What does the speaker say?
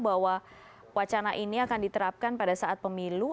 bahwa wacana ini akan diterapkan pada saat pemilu